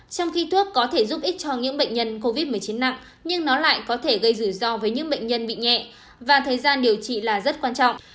trong khi thuốc có thể giúp ích cho những bệnh nhân covid một mươi chín nặng nhưng nó lại có thể gây rủi ro với những bệnh nhân bị nhẹ và thời gian điều trị là rất quan trọng